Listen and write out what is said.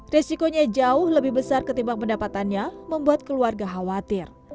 risikonya jauh lebih besar ketimbang pendapatannya membuat keluarga khawatir